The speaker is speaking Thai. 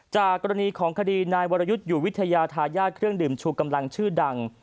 จากกรณีของคดีนายวรยุทธ์อยู่วิทยาทายาทเครื่องดื่มชูกำลังชื่อดัง